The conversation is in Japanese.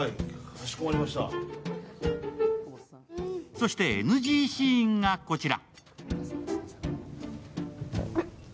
そしてＮＧシーンがこちら。